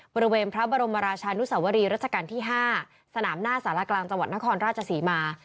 บริเวณพระบรมราชานุสวรีรัชกาลที่๕สนามหน้าสารกลางจังหวัดนครราชศรีมา